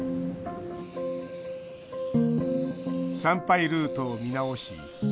参拝ルートを見直し